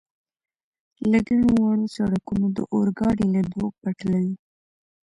له ګڼو وړو سړکونو، د اورګاډي له دوو پټلیو.